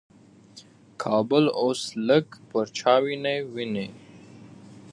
کابل اوس لږ پرچاویني ویني.